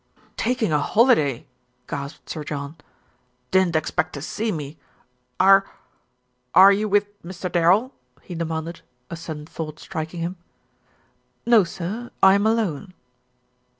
"Taking a holiday!" gasped Sir John. "Didn't ex pect to see me! Are are you with Mr. Darrell?" he demanded, a sudden thought striking him. "No, Sir John, I am alone."